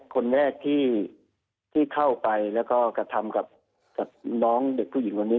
คนแรกที่เข้าไปแล้วก็กระทำกับน้องเด็กผู้หญิงคนนี้